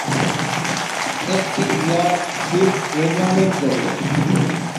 একটি air strip নির্মাণের জন্য।